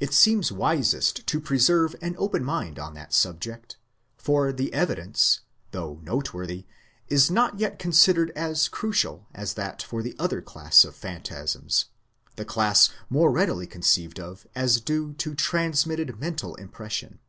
It seems wisest to preserve an open mind on that subject ; for the evidence, though noteworthy, is not yet considered as crucial as that for the other class of phantasms the class more readily conceived of as due to transmitted mental impression.